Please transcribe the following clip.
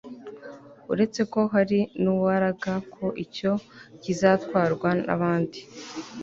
uretseko hariho nuwaraga ko icyo i kizatwarwa n'abandi